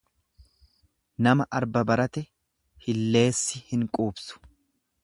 Nama arba barate hilleessi hin quubsu.